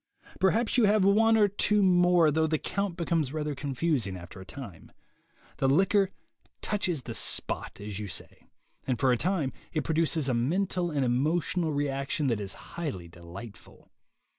Perhaps you have one or two more, though the count becomes rather confusing after a time. The liquor "touches the spot," as you say, and for a time it produces a mental and emotional reaction that is highly delightful.